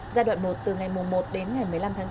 giai đoạn một từ ngày một đến ngày một mươi năm tháng bốn